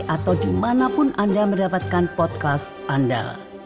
atau dimanapun anda mendapatkan podcast anda